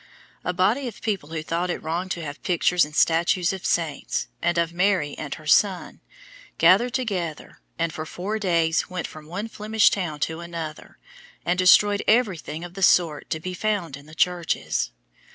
A body of people who thought it wrong to have pictures and statues of saints, and of Mary and her Son, gathered together and for four days went from one Flemish town to another and destroyed everything of the sort to be found in the churches.